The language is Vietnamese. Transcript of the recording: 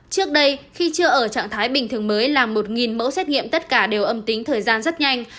trước đây khi chưa ở trạng thái bình thường mới là một mẫu xét nghiệm tất cả đều âm tính thời gian rất nhanh